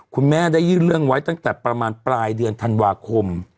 คุณแม่ได้ยื่นเรื่องไว้ตั้งแต่ประมาณปลายเดือนธันวาคม